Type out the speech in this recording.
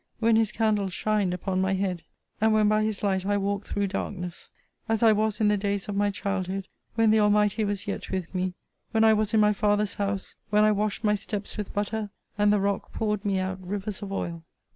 when his candle shined upon my head, and when by his light I walked through darkness! As I was in the days of my childhood when the Almighty was yet with me: when I was in my father's house: when I washed my steps with butter, and the rock poured me out rivers of oil.'